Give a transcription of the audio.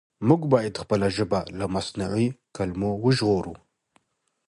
موږ بايد خپله ژبه له مصنوعي کلمو وژغورو.